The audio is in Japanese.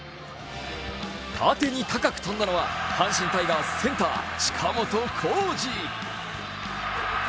縦に高く跳んだのは阪神タイガースセンター近本光司。